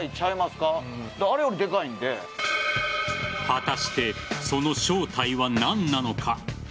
果たしてその正体は何なのか。